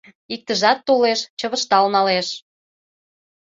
Иктыжат толеш — чывыштал налеш